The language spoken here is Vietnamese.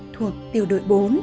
thuộc tiểu đội bốn